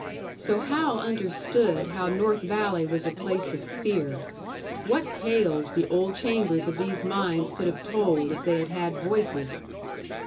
So Hal understood how North Valley was a place of fear. What tales the old chambers of these mines could have told, if they had had voices!